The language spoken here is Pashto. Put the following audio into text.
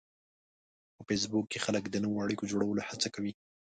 په فېسبوک کې خلک د نوو اړیکو جوړولو هڅه کوي